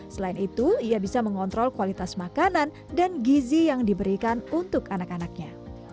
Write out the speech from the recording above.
selain itu ia bisa mengontrol kualitas makanan dan gizi yang diberikan untuk anak anaknya